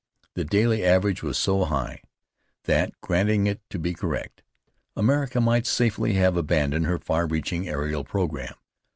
The daily average was so high, that, granting it to be correct, America might safely have abandoned her far reaching aerial programme.